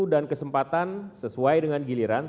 dan kesempatan sesuai dengan giliran